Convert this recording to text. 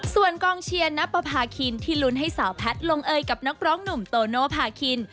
ส่วนกองเชียร์นับประพาคินที่ลุ้นให้สาวแพทย์ลงเอยกับนักร้องหนุ่มโตโนภาคิน